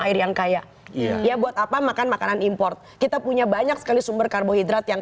air yang kaya ya buat apa makan makanan import kita punya banyak sekali sumber karbohidrat yang